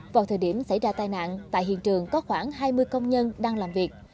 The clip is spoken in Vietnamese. vào thời điểm xảy ra tai nạn tại hiện trường có khoảng hai mươi công nhân đang làm việc